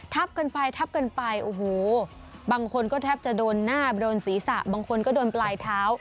กันไปทับกันไปโอ้โหบางคนก็แทบจะโดนหน้าโดนศีรษะบางคนก็โดนปลายเท้า